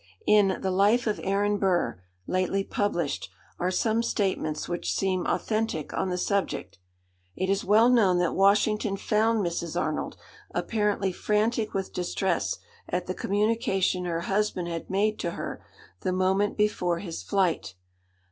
In the "Life of Aaron Burr," lately published, are some statements which seem authentic on the subject. It is well known that Washington found Mrs. Arnold apparently frantic with distress at the communication her husband had made to her the moment before his flight.